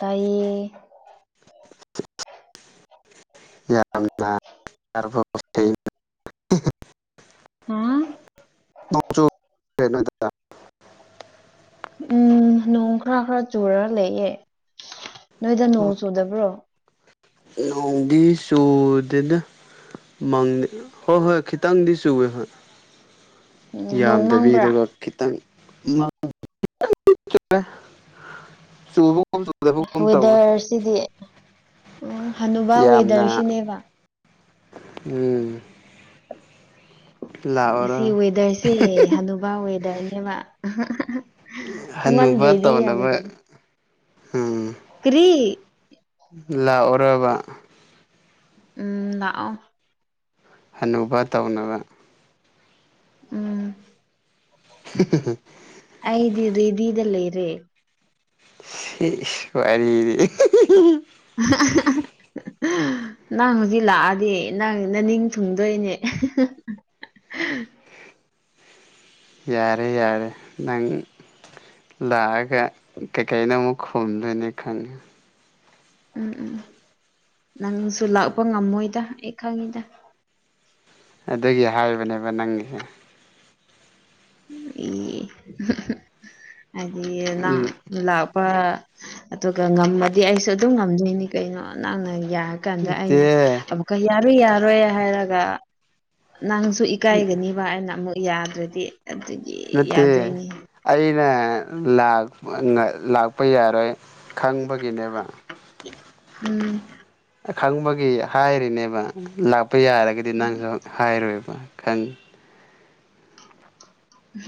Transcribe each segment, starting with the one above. ꯇꯥꯏꯌꯦ ꯌꯥꯝꯅ [unintelligible] ꯍꯥꯥ ꯅꯣꯡꯁꯨ [unintelligible] ꯅꯣꯏꯗ ꯎꯝ ꯅꯣꯡ ꯈꯔ ꯈꯔ ꯆꯨꯔꯒ ꯂꯩꯌꯦ ꯅꯣꯏꯗ ꯅꯣꯡ ꯆꯨꯗꯕ꯭ꯔꯣ ꯅꯣꯡꯗꯤ ꯆꯨꯗꯦꯗ ꯃꯪꯉꯦ ꯍꯣꯏ ꯍꯣꯏ ꯈꯤꯠꯇꯪꯗꯤ ꯆꯨꯋꯦ ꯍꯣꯢ ꯎꯝ ꯅꯣꯡ ꯌꯥꯝꯗꯕꯤꯗ ꯃꯥꯡꯕ꯭ꯔꯥ ꯀꯣ ꯈꯤꯇꯪ [unintelligible] ꯆꯨꯕ ꯋꯦꯗꯔꯁꯤꯗꯤ ꯎꯝ ꯍꯅꯨꯕꯥ ꯌꯥꯝꯅ ꯋꯦꯗꯔꯁꯤꯅꯦꯕ ꯎꯝ ꯂꯥꯛꯑꯣꯔꯣ ꯉꯁꯤ ꯋꯦꯗꯔꯁꯦ ꯍꯅꯨꯕꯥ ꯋꯦꯗꯔꯅꯦꯕ ꯑꯍꯥ ꯑꯍꯥ ꯑꯍꯥ ꯍꯟꯅꯨꯕ ꯇꯧꯅꯕ ꯎꯝ ꯀꯔꯤ ꯂꯥꯛꯑꯣꯔꯕ ꯎꯝ ꯂꯥꯛꯑꯣ ꯍꯅꯨꯕ ꯇꯧꯅꯕ ꯎꯝ ꯍꯤ ꯍꯤ ꯍꯤ ꯑꯩꯗꯤ ꯔꯤꯗꯤꯗ ꯂꯩꯔꯦ ꯁꯤ ꯋꯥꯔꯤꯗꯤ ꯑ ꯍ ꯍ ꯍ ꯑꯍ ꯍꯪ ꯍꯪ ꯅꯪ ꯍꯧꯖꯤꯛ ꯂꯥꯛꯑꯗꯤ ꯅꯪ ꯅꯅꯤꯡ ꯊꯨꯡꯗꯣꯏꯅꯦ ꯍꯥ ꯌꯥꯔꯦ ꯌꯥꯔꯦ ꯅꯪ ꯂꯥꯛꯑꯒ ꯀꯩꯀꯩꯩꯅꯣ ꯑꯃꯨꯛ ꯈꯣꯨꯝꯗꯣꯏꯅꯤ ꯈꯪꯉꯦ ꯎꯝ ꯎꯝ ꯅꯪꯁꯨ ꯂꯥꯛꯄ ꯉꯝꯃꯣꯏꯗ ꯑꯩ ꯈꯪꯉꯤꯗ ꯑꯗꯨꯒꯤ ꯍꯥꯏꯔꯕꯅꯦꯕ ꯅꯪꯒꯤꯖꯦ [unintelligible] ꯍꯥꯏꯗꯤ ꯅꯪ ꯂꯥꯛꯄ ꯑꯗꯨꯒ ꯉꯝꯃꯗꯤ ꯑꯩꯁꯨ ꯑꯗꯨꯝ ꯉꯝꯗꯣꯏꯅꯤ ꯀꯩꯅꯣ ꯅꯪꯅ ꯌꯥ ꯀꯥꯟꯗ ꯑꯩꯅ ꯅꯠꯇꯦ ꯑꯃꯨꯛꯀ ꯌꯥꯔꯣꯢ ꯌꯥꯔꯣꯏ ꯍꯥꯏꯔꯒ ꯅꯪꯁꯨ ꯏꯀꯥꯏꯒꯅꯤꯕ ꯑꯩꯅ ꯑꯃꯨꯛ ꯌꯥꯗ꯭ꯔꯗꯤ ꯑꯗꯨ ꯅꯠꯇꯦ ꯑꯩꯅ ꯂꯥꯛ ꯑ ꯅ ꯂꯥꯛꯄ ꯌꯥꯔꯣꯏ ꯈꯪꯕꯒꯤꯅꯦꯕ ꯎꯝ ꯈꯪꯕꯒꯤ ꯍꯥꯏꯔꯤꯅꯦꯕ ꯂꯥꯛꯄ ꯌꯥꯔꯒꯗꯤ ꯅꯪꯁꯨ ꯍꯥꯏꯔꯣꯏꯕ ꯈꯪ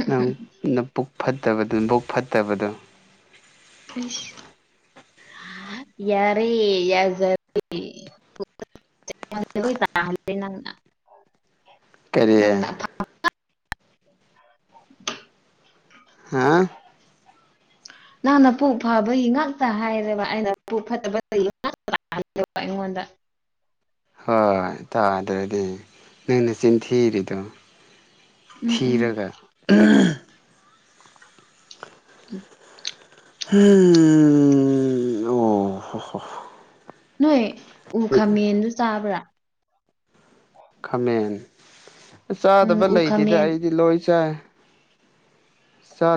ꯅꯪ ꯅꯄꯨꯛ ꯐꯠꯇꯕꯗꯨ ꯕꯨꯛ ꯐꯠꯇꯕꯗꯣ ꯏꯁ ꯌꯥꯔꯦ ꯌꯥꯖꯔꯦ ꯂꯧꯁꯤꯟꯕ ꯉꯝꯗꯕ ꯅꯪꯅ ꯀꯔꯤ ꯅꯪꯅ ꯍꯥꯥ ꯅꯪꯅ ꯄꯨꯛ ꯐꯕꯒꯤ ꯉꯥꯛꯇ ꯍꯥꯏꯔꯦꯕ ꯑꯩꯅ ꯄꯨ ꯐꯠꯇꯕ ꯇꯒꯤ ꯉꯥꯛꯇ ꯂꯧꯁꯤꯟꯕ ꯉꯝꯗꯕ ꯑꯩꯉꯣꯟꯗ ꯍꯣꯏ ꯇꯥꯗ꯭ꯔꯗꯤ ꯅꯪ ꯅꯆꯤꯟ ꯊꯤꯔꯤꯗꯣ ꯎꯝ ꯎꯝ ꯊꯤꯔꯒ ꯎꯝ [unintelligible] ꯎꯝ ꯍꯨꯝ ꯍꯣ ꯅꯣꯏ ꯎ ꯈꯥꯃꯦꯟꯗꯨ ꯆꯥꯕ꯭ꯔꯥ ꯈꯥꯃꯦꯟ ꯎꯝ ꯆꯥꯗꯕ ꯎ ꯂꯩꯇꯦꯗ ꯈꯥꯃꯦꯟ ꯑꯩꯗꯤ ꯂꯣꯏ ꯆꯥꯏ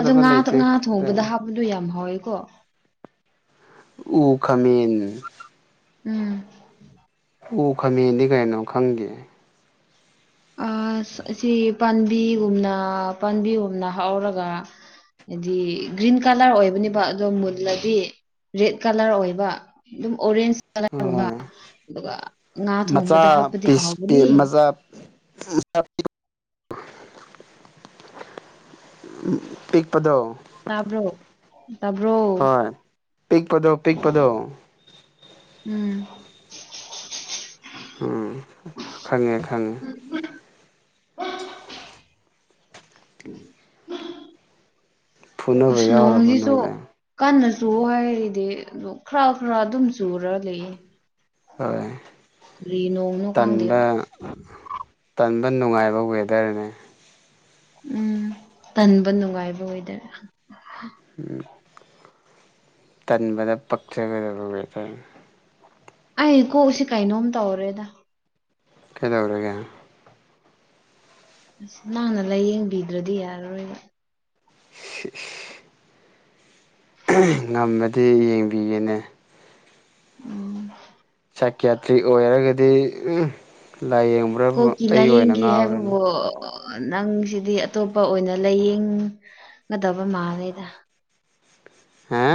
ꯑꯗꯣ ꯉꯥ ꯊꯣ ꯂꯩꯇꯦ ꯉꯥ ꯊꯣꯡꯕꯗ ꯍꯥꯞꯄꯗꯣ ꯌꯥꯝ ꯍꯥꯎꯋꯦꯀꯣ ꯎ ꯈꯥꯃꯦꯟ ꯎꯝ ꯎ ꯈꯥꯃꯦꯟꯗꯤ ꯀꯩꯅꯣ ꯈꯪꯗꯦ ꯑꯁ ꯑꯁꯤ ꯄꯥꯟꯕꯤꯒꯨꯝꯅ ꯄꯥꯟꯕꯤꯒꯨꯝꯅ ꯍꯧꯔꯒ ꯍꯥꯏꯗꯤ ꯒ꯭ꯔꯤꯟ ꯀꯂꯔ ꯑꯣꯏꯕꯅꯦꯕ ꯑꯗꯣ ꯃꯨꯜꯂꯗꯤ ꯔꯦꯠ ꯀꯂꯔ ꯑꯣꯏꯕ ꯑꯗꯨꯝ ꯑꯣꯔꯦꯟꯖ ꯀꯂꯔ ꯒꯨꯝꯕ ꯍꯣꯏ ꯑꯗꯨꯒ ꯉꯥ ꯊꯣꯡꯕꯗ ꯍꯥꯞꯄꯗꯤ ꯍꯥꯎꯕꯅꯤ ꯂꯧꯁꯤꯟꯕ ꯉꯝꯗꯕ ꯎꯝ ꯄꯤꯛꯄꯗꯣ ꯇꯥꯕ꯭ꯔꯣ ꯇꯥꯕ꯭ꯔꯣ ꯍꯣꯏ ꯄꯤꯛꯄꯗꯣ ꯄꯤꯛꯄꯗꯣ ꯎꯝ ꯎꯝ ꯈꯪꯉꯦ ꯈꯪꯉꯦ ꯐꯨꯅꯕ ꯑꯁ ꯌꯥꯎꯔꯕ ꯅꯣꯡꯖꯤꯁꯨ ꯅꯣꯏꯗ ꯀꯟꯅ ꯆꯨ ꯍꯥꯏꯔꯤꯗꯤ ꯑꯗꯨ ꯈꯔ ꯈꯔ ꯑꯗꯨꯝ ꯆꯨꯔ ꯂꯩꯌꯦ ꯍꯣꯏ ꯀꯔꯤ ꯅꯣꯡꯅꯣ ꯈꯪꯗꯦꯕ ꯇꯟꯕ ꯇꯟꯕ ꯅꯨꯡꯉꯥꯏꯕ ꯋꯦꯗꯔꯅꯦ ꯎꯝ ꯇꯟꯕ ꯅꯨꯡꯉꯥꯏꯕ ꯋꯦꯗꯔ ꯂꯧꯁꯤꯟꯕ ꯉꯝꯗꯕ ꯇꯟꯕꯗ ꯄꯛꯆꯒꯗꯕ ꯋꯦꯗꯔꯅꯦ ꯑꯩ ꯀꯣꯛ ꯁꯤ ꯀꯩꯅꯣꯝ ꯇꯧꯔꯦꯗ ꯀꯩꯗꯧꯔꯒꯦ ꯃꯥꯅ ꯂꯥꯏꯌꯦꯡꯕꯤꯗ꯭ꯔꯗꯤ ꯌꯥꯔꯔꯣꯏꯕ ꯁꯤ ꯏꯁ ꯑꯍ ꯉꯝꯃꯗꯤ ꯌꯦꯡꯕꯤꯒꯦꯅꯦ ꯎꯝ ꯁꯀꯤꯌꯥꯇ꯭ꯔꯤ ꯑꯣꯏꯔꯒꯗꯤ ꯎꯝ ꯂꯥꯏꯌꯦꯡꯕ꯭ꯔꯕꯨ ꯀꯣꯛꯀꯤ ꯑꯩ ꯑꯣꯏꯅ ꯂꯥꯏꯌꯦꯡꯒꯦ ꯉꯥꯎꯔꯅꯤ ꯍꯥꯏꯕꯕꯨ ꯅꯪꯁꯤꯗꯤ ꯑꯇꯣꯞꯄ ꯑꯣꯏꯅ ꯂꯥꯏꯌꯦꯡꯒꯗꯕ ꯃꯥꯂꯦꯗ ꯍꯥ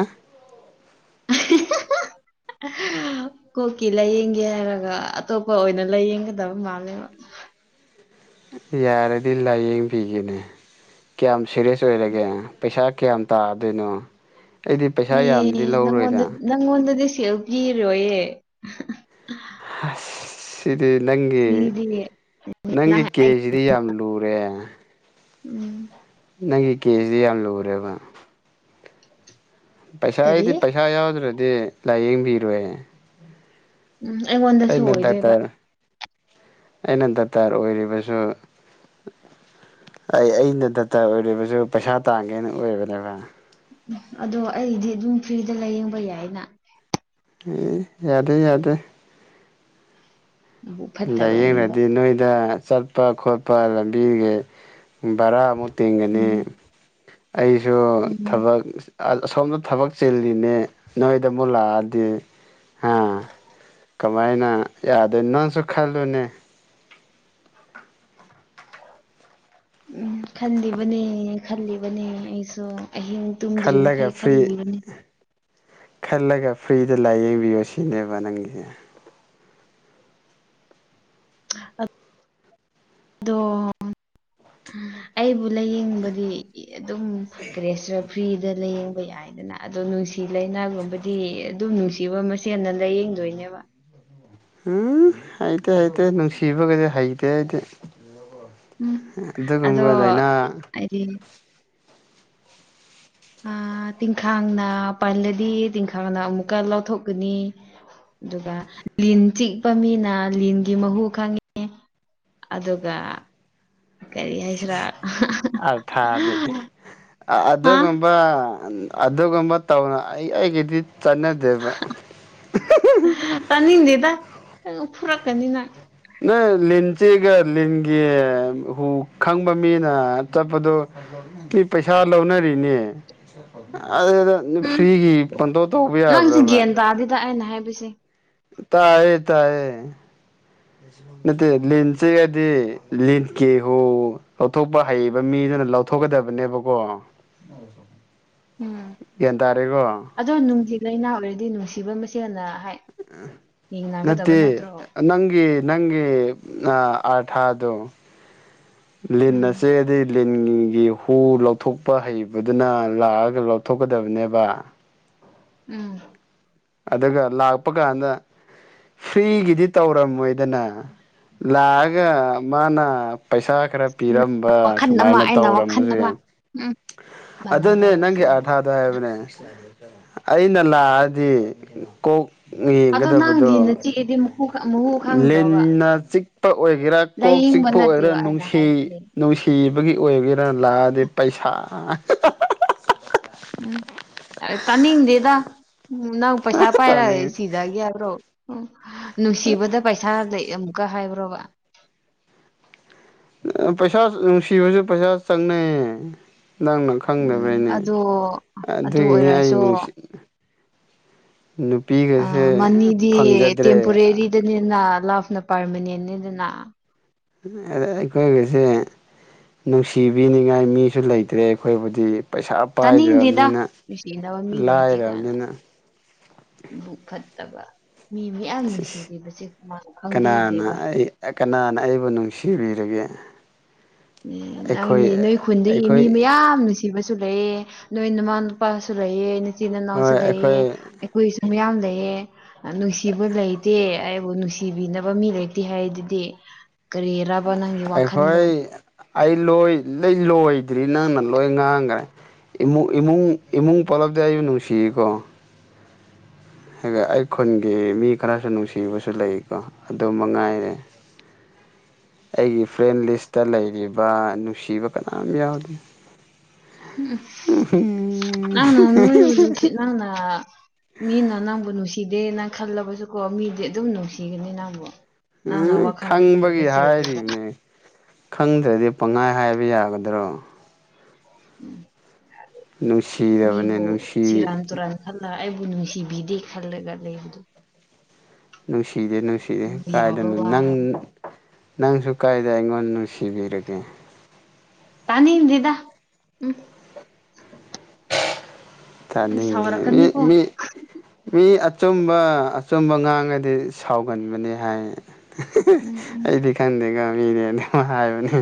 [inaudible] ꯍꯍ ꯀꯣꯛꯀꯤ ꯂꯥꯏꯌꯦꯡꯒꯦ ꯍꯥꯏꯔꯒ ꯑꯇꯣꯞꯄ ꯑꯣꯏꯅ ꯂꯥꯏꯌꯦꯡꯒꯗꯕ ꯃꯥꯜꯂꯦꯕ ꯌꯥꯔꯗꯤ ꯂꯥꯏꯌꯦꯡꯕꯤꯒꯦꯅꯦ ꯀꯌꯥꯝ ꯁꯦꯔꯦꯁ ꯑꯣꯏꯔꯒꯦ ꯄꯩꯁꯥ ꯀꯌꯥꯝ ꯇꯥꯗꯣꯏꯅꯣ ꯑꯩꯗꯤ ꯄꯩꯁꯥ ꯌꯥꯝꯅꯗꯤ ꯑꯩ ꯂꯧꯔꯣꯏꯗ ꯅꯪꯉꯣꯟꯗ ꯅꯪꯉꯣꯟꯗꯗꯤ ꯁꯦꯜ ꯄꯤꯔꯣꯏꯌꯦ ꯍꯁ ꯁꯤꯗꯤ ꯅꯪꯒꯤ ꯁꯤꯗꯤ ꯅꯪꯒꯤ ꯅꯪ ꯑꯩ ꯀꯦꯖꯁꯤꯗꯤ ꯌꯥꯝ ꯂꯨꯔꯦ ꯎꯝ ꯅꯪꯒꯤ ꯀꯦꯖꯇꯤ ꯌꯥꯝ ꯂꯨꯔꯦꯕ ꯀꯔꯤ ꯄꯩꯁꯥꯗꯤ ꯄꯩꯁꯥ ꯌꯥꯎꯗ꯭ꯔꯗꯤ ꯂꯥꯏꯌꯦꯡꯕꯤꯔꯣꯏꯅꯦ ꯎꯝ ꯑꯩꯉꯣꯟ ꯑꯩꯅ ꯗꯥꯛꯇꯔ ꯑꯩꯅ ꯗꯥꯛꯇꯔ ꯑꯣꯏꯔꯤꯕꯁꯨ ꯑꯩ ꯑꯩꯅ ꯗꯥꯛꯇꯔ ꯑꯣꯏꯔꯤꯕꯁꯨ ꯄꯩꯁꯥ ꯇꯥꯡꯒꯦꯅ ꯑꯣꯏꯕꯅꯦꯕ ꯑꯗꯣ ꯑꯩꯗꯤ ꯑꯗꯨꯝ ꯐ꯭ꯔꯤꯗ ꯂꯥꯏꯌꯦꯡꯕ ꯌꯥꯏꯅ ꯑꯦ ꯌꯥꯗꯦ ꯌꯥꯗꯦ ꯕꯨ ꯐꯠꯇꯕꯅꯦꯕ ꯂꯥꯏꯌꯦꯡꯔꯗꯤ ꯅꯣꯏꯗ ꯆꯠꯄ ꯈꯣꯠꯄ ꯂꯝꯕꯤꯒꯤ ꯚꯔꯥ ꯑꯃꯨꯛ ꯇꯤꯡꯒꯅꯤ ꯎꯝ ꯑꯩꯁꯨ ꯎꯝ ꯊꯕꯛ ꯑ ꯑꯁꯣꯝꯗ ꯊꯕꯛ ꯆꯤꯜꯂꯤꯅꯦ ꯅꯣꯏꯗ ꯑꯃꯨꯛ ꯂꯥꯛꯑꯗꯤ ꯍꯥꯥ ꯀꯃꯥꯏꯅ ꯌꯥꯗꯣꯏꯅꯣ ꯅꯪꯁꯨ ꯈꯜꯂꯨꯅꯦ ꯎꯝ ꯈꯟꯜꯂꯤꯕꯅꯦ ꯈꯜꯂꯤꯕꯅꯦ ꯑꯩꯁꯨ ꯑꯍꯤꯡ ꯇꯨꯝꯗ꯭ꯔꯤ ꯈꯜꯂꯒ ꯃꯈꯩ ꯐ꯭ꯔꯤ ꯈꯜꯂꯤꯕꯅꯤ ꯈꯜꯂꯒ ꯐ꯭ꯔꯤꯗ ꯂꯩꯌꯦꯡꯕꯤꯌꯣ ꯁꯤꯅꯦꯕ ꯅꯪꯁꯦ ꯑꯗꯣ ꯑꯩꯕꯨ ꯂꯩꯌꯦꯡꯕꯗꯤ ꯑꯗꯨꯝ ꯀꯔꯦꯁꯇ ꯐ꯭ꯔꯤꯗ ꯂꯥꯏꯌꯦꯡꯕ ꯌꯥꯏꯗꯅ ꯑꯗꯣ ꯅꯨꯡꯁꯤ ꯂꯥꯏꯅꯥꯒꯨꯝꯕꯗꯤ ꯑꯗꯨꯝ ꯅꯨꯡꯁꯤꯕ ꯃꯁꯦꯅ ꯂꯥꯏꯌꯦꯡꯗꯣꯏꯅꯦꯕ ꯎꯝ ꯍꯩꯇꯦ ꯍꯩꯇꯦ ꯅꯨꯡꯁꯤꯕꯒꯗꯤ ꯍꯩꯇꯦ ꯍꯩꯇꯦ ꯑꯗꯨꯒꯨꯝꯕ ꯂꯩꯅ ꯑꯩꯗꯤ ꯇꯤꯟꯈꯥꯡꯅ ꯄꯜꯂꯗꯤ ꯇꯤꯟꯈꯥꯡꯅ ꯑꯃꯨꯛꯀ ꯂꯧꯊꯣꯛꯀꯅꯤ ꯑꯗꯨꯒ ꯂꯤꯟ ꯆꯤꯛꯄ ꯃꯤꯅ ꯂꯤꯟꯒꯤ ꯃꯍꯨ ꯈꯪꯉꯤ ꯑꯗꯨꯒ ꯀꯔꯤ ꯍꯥꯏꯁꯤꯔꯥ ꯑꯔꯊꯥꯗꯤ ꯍꯥ ꯑꯗꯨꯒꯨꯝꯕ ꯑꯗꯨꯒꯨꯝꯕ ꯇꯧꯅ ꯑꯩ ꯑꯩꯒꯤꯗꯤ ꯆꯠꯅ ꯗꯦꯕ ꯇꯥꯅꯤꯡꯗꯦꯗ ꯐꯨꯔꯛꯀꯅꯤ ꯅꯪ ꯅꯪ ꯂꯤꯟ ꯆꯦꯑꯒ ꯂꯤꯟꯒꯤ ꯍꯨ ꯈꯪꯕ ꯃꯤꯅ ꯆꯠꯄꯗꯨ ꯃꯤ ꯄꯩꯁꯥ ꯂꯧꯅꯔꯤꯅꯦ ꯑꯗꯨꯗ ꯎꯝ ꯐ꯭ꯔꯤꯒꯤ ꯄꯟꯇꯧ ꯇꯧꯕ ꯌꯥꯕ꯭ꯔꯕ [inaudible] ꯍꯥꯢꯕꯁꯦ ꯇꯥꯏꯌꯦ ꯇꯥꯏꯌꯦ ꯅꯠꯇꯦ ꯂꯤꯟ ꯆꯤꯛꯑꯗꯤ ꯂꯤꯟꯀꯤ ꯍꯨ ꯂꯧꯊꯣꯛꯄ ꯍꯩꯕ ꯃꯤꯗꯨꯅ ꯂꯧꯊꯣꯛꯀꯗꯕꯅꯦꯕꯀꯣ ꯎꯝ ꯌꯒ꯭ꯟ ꯇꯥꯔꯦꯀꯣ ꯑꯗꯣ ꯅꯨꯡꯁꯤ ꯂꯩꯅꯥ ꯑꯣꯏꯔꯗꯤ ꯅꯨꯡꯁꯤꯕ ꯃꯁꯦꯟꯅ ꯍꯥꯏ ꯌꯦꯡꯅꯒꯗꯕ ꯅꯠꯇꯦ ꯅꯠꯇ꯭ꯔꯣ ꯅꯪꯒꯤ ꯅꯪꯒꯤ ꯑꯥꯔꯊꯥꯗꯣ ꯂꯤꯟꯅ ꯎꯝ ꯆꯤꯛꯑꯗꯤ ꯂꯤꯟꯒꯤ ꯍꯨ ꯂꯧ ꯊꯣꯛꯄ ꯍꯩꯕꯗꯨꯅ ꯂꯥꯛꯑꯒ ꯂꯧꯊꯣꯛꯀꯗꯕꯅꯦꯕ ꯎꯝ ꯑꯗꯨꯒ ꯂꯥꯛꯄ ꯀꯥꯟꯗ ꯐ꯭ꯔꯤꯒꯤꯗꯤ ꯇꯧꯔꯝꯃꯣꯏꯗꯅ ꯂꯥꯛꯑꯒ ꯃꯥꯅ ꯄꯩꯁꯥ ꯈꯔ ꯄꯤꯔꯝꯕ ꯋꯥꯈꯜ ꯑꯃ ꯁꯨꯃꯥꯏꯅ ꯑꯩꯅ ꯋꯥꯈꯜ ꯇꯧꯔꯝꯕꯁꯦ ꯑꯃ ꯌꯥꯝ ꯎꯝ ꯑꯗꯨꯅꯦ ꯅꯪꯒꯤ ꯃꯥꯟꯅꯗꯕꯁꯤ ꯑꯥꯔꯊꯥꯗꯣ ꯍꯥꯏꯕꯅꯦ ꯑꯩꯅ ꯂꯥꯛꯑꯗꯤ ꯀꯣꯛ ꯑꯗꯣ ꯅꯪ ꯌꯦꯡꯒꯗꯕꯗꯣ ꯂꯤꯟꯅ ꯆꯤꯛꯑꯗꯤ ꯃꯍꯨ ꯃꯍꯨ ꯈꯪꯗ꯭ꯔꯣꯕ ꯂꯤꯟꯅ ꯆꯤꯛꯄ ꯑꯣꯏꯒꯦꯔꯥ ꯀꯣꯛ ꯂꯥꯏꯌꯦꯡꯕ ꯆꯤꯛꯄ ꯑꯣꯏꯔ ꯅꯠꯇꯦꯕ ꯑꯩꯅ ꯅꯨꯡꯁꯤ ꯍꯥꯏꯕꯁꯦ ꯅꯨꯡꯁꯤꯕꯒꯤ ꯑꯣꯏꯒꯦꯔꯥ ꯂꯥꯛꯑꯗꯤ ꯄꯩꯁꯥ ꯎꯝ ꯇꯥꯅꯤꯡꯗꯦꯗ ꯎꯝ ꯅꯪ ꯄꯩꯁꯥ ꯄꯥꯏꯔ ꯁꯤ ꯇꯥꯅꯤꯡꯉꯤ ꯁꯤꯒꯦ ꯍꯥꯏꯕ꯭ꯔꯣ ꯎ ꯅꯨꯡꯁꯤꯕꯗ ꯄꯩꯁꯥ ꯂꯩ ꯑꯃꯨꯛꯀ ꯍꯥꯏꯕ꯭ꯔꯣꯕ ꯄꯩꯁꯥ ꯅꯨꯡꯁꯤꯕꯁꯨ ꯄꯩꯁꯥ ꯆꯪꯅꯩꯌꯦ ꯅꯪꯅ ꯈ ꯎꯝ ꯐꯪꯗꯕꯩꯅꯦ ꯑꯗꯣ ꯑꯗꯨ ꯑꯗꯨꯒꯤꯅꯤ ꯑꯩ ꯑꯣꯏꯔꯁꯨ ꯅꯨꯡꯁꯤ ꯅꯨ ꯑ ꯃꯅꯤꯗꯤ ꯇꯦꯝꯄꯣꯔꯦꯔꯤꯗꯅꯤꯅ ꯂꯞꯅ ꯄꯥꯔꯃꯅꯟꯅꯅꯤꯗꯅ ꯑ ꯑ ꯑꯩꯈꯣꯏꯒꯁꯦ ꯅꯨꯡꯁꯤꯕꯤꯅꯤꯡꯉꯥꯏ ꯃꯤꯁꯨ ꯂꯩꯇ꯭ꯔꯦ ꯑꯩꯈꯣꯏꯕꯨꯗꯤ ꯄꯩꯁꯥ ꯇꯥꯅꯤꯡꯗꯦꯗ ꯄꯥꯏꯗ꯭ꯔꯕꯅꯤꯅ ꯅꯨꯡꯁꯤꯅꯕ ꯂꯥꯏꯔꯕꯅꯤꯅ ꯕꯨ ꯐꯠꯇꯕ ꯃꯤ ꯃꯤꯌꯥꯝ ꯅꯨꯡꯁꯤꯜꯂꯤꯔꯤꯕꯁꯦ ꯀꯅꯥꯅ ꯈꯪꯕꯤꯗꯦꯕ ꯑꯦ ꯀꯅꯥꯅ ꯑꯩꯕꯨ ꯅꯨꯡꯁꯤꯕꯤꯔꯒꯦ ꯑꯩꯈꯣꯏ ꯅꯪꯒꯤ ꯅꯣꯏ ꯈꯨꯟꯗꯒꯤ ꯃꯤ ꯑꯩꯈꯣꯏ ꯃꯌꯥꯝ ꯅꯨꯡꯁꯤ ꯊꯤꯕꯁꯨ ꯂꯩꯑ ꯅꯣꯏ ꯃꯃꯥ ꯅꯨꯄꯥꯁꯨ ꯂꯩꯑ ꯏꯆꯤꯟ ꯍꯣꯏ ꯏꯅꯥꯎꯁꯨ ꯂꯩꯑ ꯑꯩꯈꯣꯏ ꯑꯩꯈꯣꯏꯁꯨ ꯃꯌꯥꯝ ꯂꯩꯌꯦ ꯅꯨꯡꯁꯤꯕ ꯂꯩꯇꯦ ꯑꯩꯕꯨ ꯅꯨꯡꯁꯤꯕꯤꯅꯕ ꯃꯤ ꯂꯩꯇꯦ ꯍꯥꯏꯗꯨꯗꯤ ꯀꯔꯤꯔꯕ ꯅꯪꯒꯤ ꯋꯥꯈꯟꯗꯣ ꯑꯩꯈꯣꯏ ꯑꯩ ꯂꯣꯏ ꯂꯩ ꯂꯣꯏꯗ꯭ꯔꯤ ꯅꯪꯅ ꯂꯣꯏ ꯉꯥꯡꯈꯒ꯭ꯔꯦ ꯏꯃꯨꯡ ꯏꯃꯨꯡ ꯏꯃꯨꯡ ꯄꯨꯂꯞꯗꯤ ꯑꯩꯁꯨ ꯅꯨꯡꯁꯤꯌꯦꯀꯣ ꯑꯩ ꯈꯨꯟꯒꯤ ꯃꯤ ꯈꯔꯁꯨ ꯅꯨꯡꯁꯤꯕꯁꯨ ꯂꯩꯀꯣ ꯑꯗꯨ ꯃꯉꯥꯏꯔꯦ ꯑꯩꯒꯤ ꯐ꯭ꯔꯦꯟꯗ ꯂꯤꯁꯇ ꯂꯩꯔꯤꯕ ꯅꯨꯡꯁꯤꯕ ꯀꯅꯥꯝ ꯌꯥꯎꯗꯦ [unintelligible] ꯃꯤꯅ ꯅꯪꯕꯨ ꯅꯨꯡꯁꯤꯗꯦ ꯅꯪ ꯈꯜꯂꯕꯁꯨꯀꯣ ꯃꯤꯗꯤ ꯑꯗꯨꯝ ꯅꯨꯡꯁꯤꯒꯅꯤ ꯅꯪꯕꯨ ꯎ ꯅꯪꯅ ꯋꯥꯈꯜ ꯐꯠꯇꯕ ꯈꯪꯕꯒꯤ ꯆꯦꯜꯂꯒ ꯍꯥꯏꯔꯤꯝꯅꯦ ꯈꯪꯗ꯭ꯔꯗꯤ ꯄꯪꯉꯥꯏ ꯍꯥꯏꯕ ꯌꯥꯒꯗ꯭ꯔꯣ [inaudible] ꯅꯨꯡꯁꯤꯔꯕꯅꯦ ꯅꯨꯡꯁꯤ ꯅꯪꯅ ꯑꯩꯕꯨ ꯅꯨꯡꯁꯤꯕꯤꯗꯦ ꯈꯟꯂꯒꯗꯤ ꯅꯨꯡꯁꯤꯗꯦ ꯅꯨꯡꯁꯤꯗꯦ ꯑꯗꯨꯕꯨ ꯌꯥꯕ ꯀꯥꯏꯗꯅꯣ ꯅꯪ ꯋꯥꯔ ꯅꯪꯁꯨ ꯀꯥꯏꯗ ꯑꯩꯉꯣꯟ ꯅꯨꯡꯁꯤꯕꯤꯔꯒꯦ ꯇꯥꯅꯤꯡꯗꯤꯗ ꯎꯝ ꯑꯩ ꯇꯥꯅꯤꯡꯗꯦ ꯏ ꯁꯥꯎꯔꯛꯀꯅꯤꯀꯣ ꯃꯤ ꯃꯤ ꯑꯆꯨꯝꯕ ꯑꯆꯨꯝꯕ ꯉꯥꯡꯉꯗꯤ ꯁꯥꯎꯒꯟꯕꯅꯦ ꯍꯥꯏꯌꯦ ꯎꯝ ꯎꯝ ꯑꯩꯗꯤ ꯈꯪꯗꯦꯉ ꯃꯤꯅꯦ ꯑꯗꯨꯝ ꯍꯥꯏꯕꯅꯦ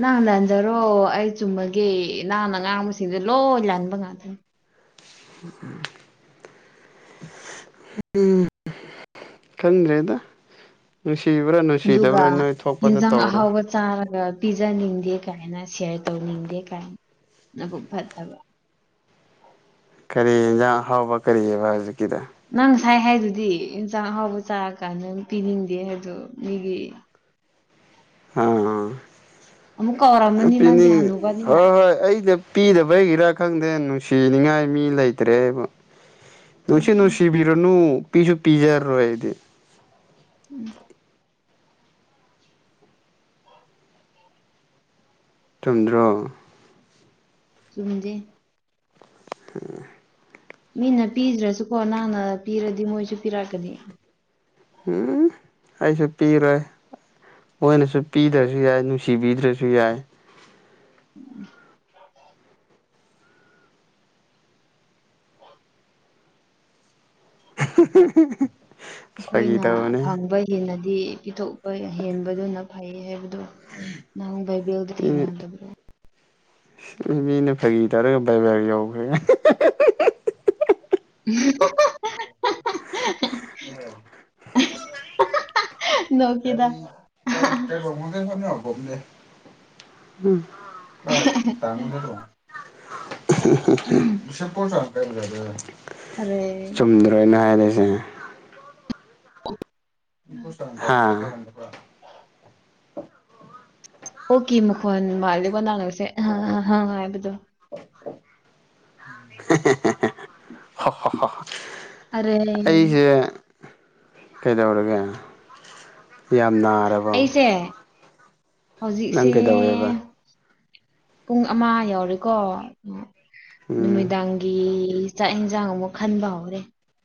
ꯅꯪ ꯂꯥꯟꯖꯔꯣ ꯑꯩ ꯆꯨꯝꯃꯒꯦ ꯅꯍꯥꯛꯅ ꯉꯥꯡꯕꯁꯤꯡꯗꯣ ꯂꯣꯏ ꯂꯥꯟꯕ ꯉꯥꯛꯇꯅꯤ [unintelligible] ꯍꯨꯝ ꯎꯝ ꯈꯪꯗ꯭ꯔꯦꯗ ꯅꯨꯡꯁꯤꯕꯔꯥ ꯑꯗꯨꯒ ꯅꯨꯡꯁꯤꯗꯕꯔ ꯅꯣꯏ ꯊꯣꯛꯄꯗ ꯌꯦꯟꯖꯥꯡ ꯇꯧꯔꯣ ꯑꯍꯥꯎꯕ ꯆꯥꯔꯒ ꯄꯤꯖꯅꯤꯡꯗꯦ ꯀꯥꯏꯅ ꯁꯤꯌꯔ ꯇꯧꯅꯤꯡꯗꯦ ꯀꯥꯏꯅ ꯅꯕꯨꯛ ꯐꯠꯇꯕ ꯀꯔꯤ ꯌꯦꯟꯖꯥꯡ ꯍꯥꯎꯕ ꯀꯔꯤꯑꯕ ꯍꯧꯖꯤꯛꯀꯤꯗ ꯅꯪ ꯉꯁꯥꯏ ꯍꯥꯏꯗꯨꯗꯤ ꯑꯦꯟꯁꯥꯡ ꯑꯍꯥꯎꯕ ꯆꯥꯔꯀꯥꯟꯗ ꯄꯤꯅꯤꯡꯗꯦ ꯍꯥꯏꯗꯣ ꯃꯤꯒꯤ ꯑꯑ ꯑꯃꯨꯛ ꯑ ꯀꯧꯔꯝꯃꯅꯤ ꯅꯪꯗꯤ ꯄꯨꯛꯅꯤꯡ ꯍꯣ ꯍꯅꯨꯕꯅꯤꯅ ꯍꯣꯏ ꯑꯩꯅ ꯄꯤꯅꯤꯡ ꯄꯤꯗꯕꯩꯒꯤꯔꯥ ꯈꯪꯗꯦ ꯅꯨꯡꯁꯤꯅꯤꯡꯉꯥꯏ ꯃꯤ ꯂꯩꯇ꯭ꯔꯦꯕ ꯅꯨꯡꯁꯤ ꯅꯨꯡꯁꯤꯕꯤ ꯔꯨꯅꯨ ꯄꯤꯖꯨ ꯄꯤꯖꯥꯔꯣꯏ ꯑꯩꯗꯤ ꯎꯝ ꯆꯨꯝꯗ꯭ꯔꯣ ꯆꯨꯝꯗꯤ ꯎꯝ ꯃꯤꯅ ꯄꯤꯗ꯭ꯔꯁꯨꯀꯣ ꯅꯪꯅ ꯄꯤꯔꯗꯤ ꯃꯣꯏꯁꯨ ꯄꯤꯔꯛꯀꯅꯤ ꯎꯝ ꯑꯩꯁꯨ ꯄꯤꯔꯦ ꯃꯣꯏꯅꯁꯨ ꯄꯤꯗ꯭ꯔꯁꯨ ꯌꯥꯏ ꯅꯨꯡꯁꯤꯕꯤꯗ꯭ꯔꯁꯨ ꯌꯥꯏ [unintelligible] [unintelligible] ꯑꯩꯈꯣꯏꯅ ꯇꯧꯕꯅꯦ ꯐꯪꯕ ꯍꯦꯟꯅꯗꯤ ꯄꯤꯊꯣꯛꯄ ꯍꯦꯟꯕꯗꯨꯅ ꯐꯩ ꯍꯥꯏꯕꯗꯣ ꯅꯪ ꯕꯥꯏꯕꯜꯗ ꯊꯦꯡꯅꯗꯕꯔꯣ ꯃꯥ ꯃꯤꯅ ꯐꯥꯒꯤ ꯇꯥꯔꯒ ꯕꯥꯏꯕꯜ ꯌꯧꯈ꯭ꯔꯦ [unintelligible] ꯅꯣꯛꯀꯦꯗ [unintelligible] [unintelligible] [unintelligible] ꯑꯔꯦ ꯂꯣꯏꯅꯥ ꯍꯥꯏꯔꯤꯁꯦ [unintelligible] ꯑꯣꯀꯤ ꯃꯈꯣꯟ ꯃꯥꯜꯂꯤꯀꯣ ꯅꯪꯅ ꯉꯁꯤ ꯑꯍ ꯑꯍ ꯍ ꯥꯏꯕꯗꯣ [unintelligible] ꯍꯣꯏ ꯍꯣ ꯍꯣꯏ ꯍꯣꯏ ꯑꯔꯦ ꯑꯩꯁꯦ ꯀꯩꯗꯧꯔꯒꯦ ꯌꯥꯝ ꯅꯥꯔꯕ ꯑꯩꯁꯦ ꯍꯧꯖꯤꯛꯁꯦ ꯀꯩꯗꯧꯋꯦꯕ ꯄꯨꯡ ꯑꯃꯥ ꯌꯧꯔꯦꯀꯣ ꯎꯝ ꯅꯨꯃꯤꯗꯥꯡꯒꯤ ꯆꯥꯛ ꯏꯟꯁꯥꯡ ꯑꯃꯨꯛ ꯈꯟꯕ ꯍꯧꯔꯦ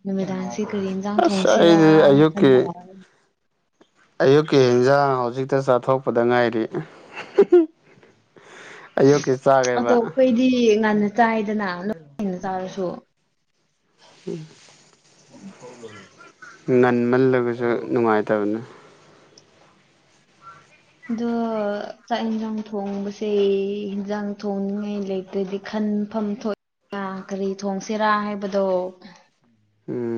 ꯅꯨꯃꯤꯗꯥꯡꯁꯤ ꯀꯔꯤ ꯌꯦꯟꯖꯥꯡ ꯑꯁ ꯑꯩꯗꯤ ꯊꯣꯡꯁꯤꯔꯅ ꯑꯌꯨꯛꯀꯤ ꯈꯟꯕ ꯍꯧꯔꯦ ꯑꯌꯨꯛꯀꯤ ꯏꯟꯖꯥꯡ ꯍꯧꯖꯤꯛꯇ ꯆꯥꯊꯣꯛꯄꯗ ꯉꯥꯏꯔꯤ ꯑꯌꯨꯛꯀꯤ ꯆꯥꯒꯦꯕ ꯑꯗꯣ ꯑꯩꯈꯣꯏꯗꯤ ꯉꯟꯅ ꯆꯥꯏꯗꯅ ꯅꯣꯏ ꯉꯟꯅ ꯆꯥꯔꯁꯨ ꯉꯟꯃꯜꯂꯒꯁꯨ ꯅꯨꯡꯉꯥꯏꯇꯕꯅꯤ ꯑꯗꯣ ꯆꯥꯛ ꯌꯦꯟꯁꯥꯡ ꯊꯣꯡꯕꯁꯦ ꯌꯦꯟꯖꯥꯡ ꯊꯣꯡꯅꯤꯡꯉꯥꯏ ꯂꯩꯇ꯭ꯔꯗꯤ ꯈꯟꯐꯝ ꯊꯣꯛꯏꯅ ꯀꯔꯤ ꯊꯣꯡꯁꯤꯔꯥ ꯍꯥꯏꯕꯗꯣ ꯎꯝ